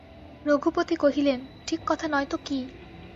রঘুপতি কহিলেন, ঠিক কথা নয় তো কী?